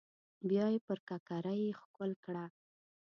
بيا يې پر ککرۍ ښکل کړه.